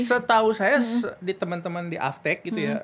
setahu saya di teman teman di aftec gitu ya